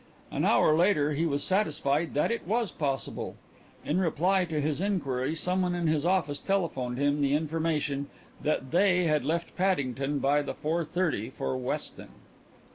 An hour later he was satisfied that it was possible. In reply to his inquiry someone in his office telephoned him the information that "they" had left Paddington by the four thirty for Weston.